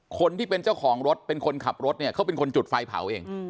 คนที่เป็นเจ้าของรถเป็นคนขับรถเนี่ยเขาเป็นคนจุดไฟเผาเอง